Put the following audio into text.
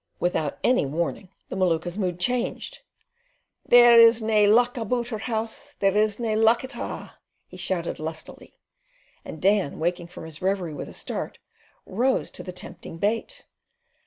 Without any warning the Maluka's mood changed, "There is nae luck aboot her house, there is nae luck at a'," he shouted lustily, and Dan, waking from his reverie with a start, rose to the tempting bait.